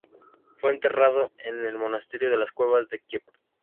Fue enterrado en el Monasterio de las Cuevas de Kiev.